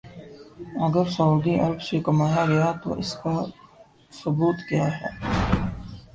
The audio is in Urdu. اگر سعودی عرب سے کمایا گیا تو اس کا ثبوت کیا ہے؟